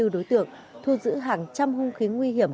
hai trăm ba mươi bốn đối tượng thu giữ hàng trăm hung khí nguy hiểm